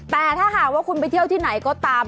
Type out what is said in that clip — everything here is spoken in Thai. แต่ถ้าหากว่าคุณไปเที่ยวที่ไหนก็ตาม